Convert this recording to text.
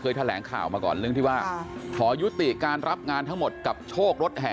แถลงข่าวมาก่อนเรื่องที่ว่าขอยุติการรับงานทั้งหมดกับโชครถแห่